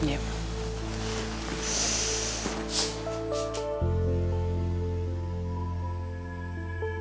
ya udah mama doain